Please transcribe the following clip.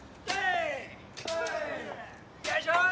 よいしょい！